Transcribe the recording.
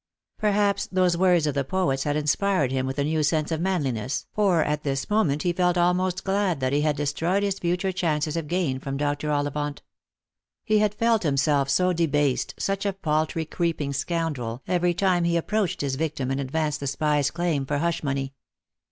Perhaps those words of the poet's had inspired him with a new sense of manliness, for at this moment he felt almost glad that he had destroyed his future chances of gain from Dr. Lost for Love. 303 Ollivant. He had felt himself so debased, such a paltry creep ing scoundrel, every time he approached his victim and advanced the spy's claim for hush money.